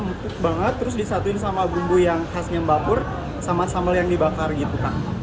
mumput banget terus disatuin sama bumbu yang khasnya mbakur sama sambal yang dibakar gitu